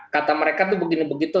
kata mereka tuh begini begitu